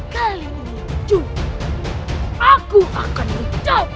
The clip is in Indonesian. kali ini juga aku akan mencobohmu